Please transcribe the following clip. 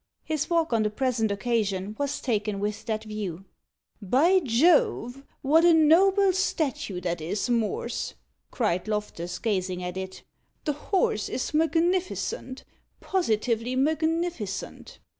His walk, on the present occasion, was taken with that view. "By Jove! what a noble statue that is, Morse!" cried Loftus, gazing at it. "The horse is magnificent positively magnificent."